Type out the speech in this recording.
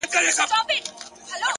پوهه د انسان غوره ملګرې ده؛